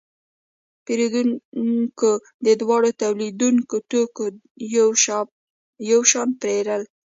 پیرودونکو د دواړو تولیدونکو توکي یو شان پیرل.